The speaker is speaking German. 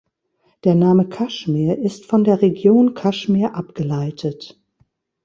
Der Name Kaschmir ist von der Region Kaschmir abgeleitet.